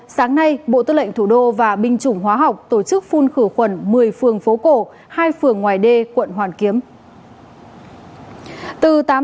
sáng nay bộ tư lệnh thủ đô và binh chủng hóa học tổ chức phun khử khuẩn một mươi phường phố cổ hai phường ngoài đê quận hoàn kiếm